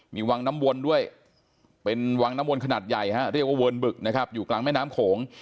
มีวังน้ำวนด้วยเป็นวังน้ำวนขนาดใหญ่ฮะเรียกว่าเวิร์นบึกนะครับอยู่กลางแม่น้ำโขง